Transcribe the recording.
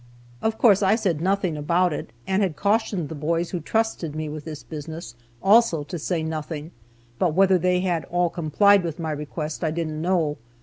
Of course, I said nothing about it, and had cautioned the boys who trusted me with this business also to say nothing, but whether they had all complied with my request I didn't know.